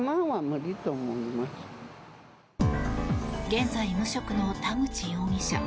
現在、無職の田口容疑者。